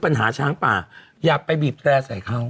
ปัญหาช้างป่าอย่าไปบีบแตร่ใส่เขา